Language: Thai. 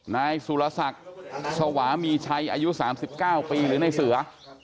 นายสุลสักสวมีชัยอายุ๓๙ปีหรือน่ะเสือ